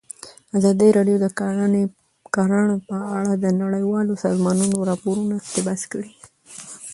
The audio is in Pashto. ازادي راډیو د کرهنه په اړه د نړیوالو سازمانونو راپورونه اقتباس کړي.